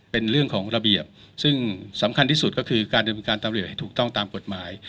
เป็นเรื่องของระเบียบซึ่งสำคัญที่สุดก็คือการดำเนินการตำรวจให้ถูกต้องตามกฎหมาย